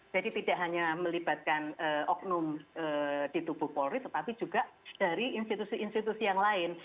jadi tidak hanya melibatkan oknum di tubuh polri tetapi juga dari institusi institusi yang lain